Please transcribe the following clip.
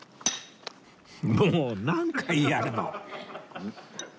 もう何回やるの！